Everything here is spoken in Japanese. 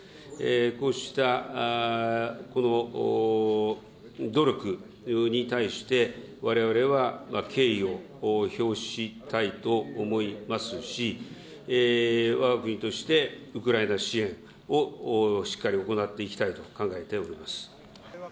こうしたこの努力に対して、われわれは敬意を表したいと思いますし、わが国として、ウクライナ支援をしっかり行っていきたいと考えております。